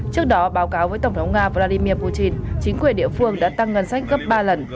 trước đó báo cáo với tổng thống nga vladimir putin chính quyền địa phương đã tăng ngân sách gấp ba lần